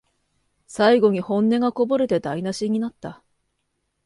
最後に本音がこぼれて台なしになった